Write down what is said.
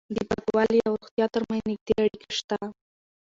د پاکوالي او روغتیا ترمنځ نږدې اړیکه شته.